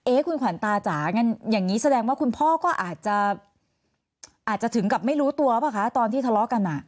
คุณขวัญตาจ๋าอย่างนี้แสดงว่าคุณพ่อก็อาจจะถึงกับไม่รู้ตัวหรือเปล่าคะตอนที่ทะเลาะกันอ่ะ